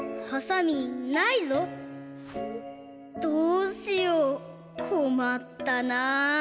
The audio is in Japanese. どうしようこまったな。